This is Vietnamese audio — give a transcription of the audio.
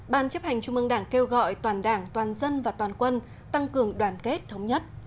ba ban chấp hành trung mương đảng kêu gọi toàn đảng toàn dân và toàn quân tăng cường đoàn kết thống nhất